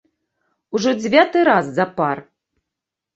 Ужо дзевяты раз запар.